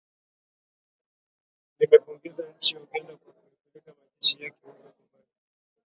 limepongeza nchi ya uganda kwa kuyapeleka majeshi yake huko somalia